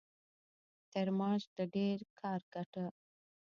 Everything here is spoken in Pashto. تر معاش د ډېر کار ګټه.